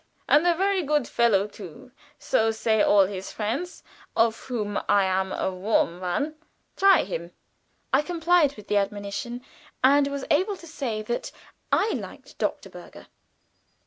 And a very good fellow too so say all his friends, of whom I am a warm one. Try him." I complied with the admonition, and was able to say that I liked Doctorberger.